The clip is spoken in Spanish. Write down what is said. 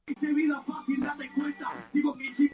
Ahora vive con su esposa e hija en Granite Bay, California.